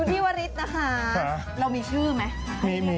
พี่วริสนะคะเรามีชื่อไหม